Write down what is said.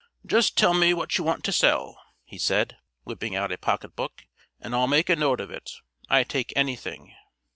"Just tell me what you want to sell," he said, whipping out a pocket book, "and I'll make a note of it. I take anything."